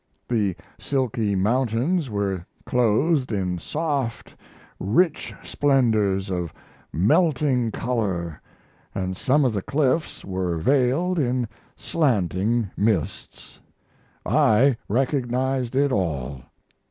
The silky mountains were clothed in soft, rich splendors of melting color, and some of the cliffs were veiled in slanting mists. I recognized it all.